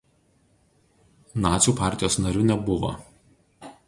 Nacių partijos nariu nebuvo.